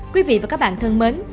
quý vị và các bạn thân mến